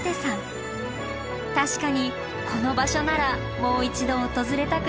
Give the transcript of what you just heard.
確かにこの場所ならもう一度訪れたくなりますね。